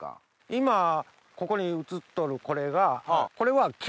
今ここに映っとるこれが。